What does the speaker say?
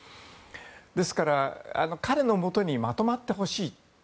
ですから、彼のもとにまとまってほしい。